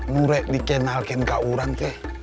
nggak dikenalkan sama orang deh